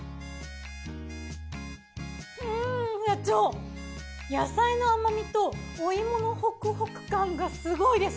うん社長野菜の甘みとお芋のホクホク感がすごいです。